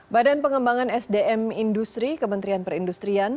badan pengembangan sdm industri kementerian perindustrian